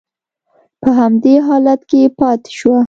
په همدې حالت کې پاتې شوه.